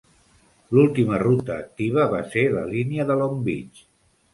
L'última ruta activa va ser la línia de Long Beach.